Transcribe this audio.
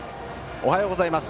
おはようございます。